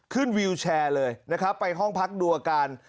ขึ้นวิวแชร์เลยไปห้องพักดูอาการ